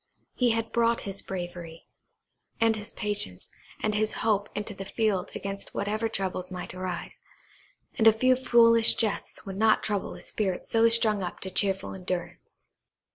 He had brought his bravery, and his patience, and his hope into the field against whatever troubles might arise, and a few foolish jests would not trouble a spirit so strung up to cheerful endurance.